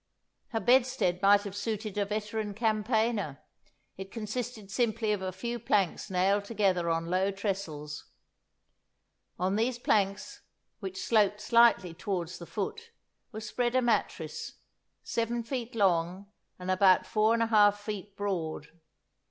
Her bedstead might have suited a veteran campaigner; it consisted simply of a few planks nailed together on low tressels. On these planks, which sloped slightly towards the foot, was spread a mattress, seven feet long and about four and a half feet broad.